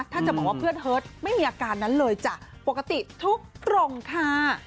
ถ้าจะบอกว่าเพื่อนเฮิตไม่มีอาการนั้นเลยจ้ะปกติทุกตรงค่ะ